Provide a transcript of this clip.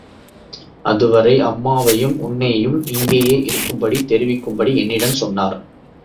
அதுவரை அம்மாளையும் உன்னையும் இங்கேயே இருக்கும்படி தெரிவிக்கும்படி என்னிடம் சொன்னார்.